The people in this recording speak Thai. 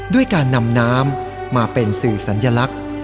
ด้วยการนำน้ำมาเป็นสื่อสัญลักษณ์